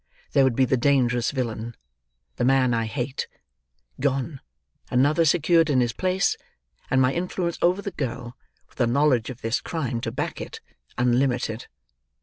There would be the dangerous villain: the man I hate: gone; another secured in his place; and my influence over the girl, with a knowledge of this crime to back it, unlimited."